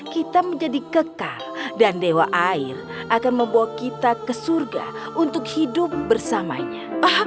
kita menjadi kekal dan dewa air akan membawa kita ke surga untuk hidup bersamanya